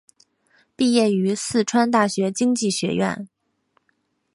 毕业于四川大学经济学院。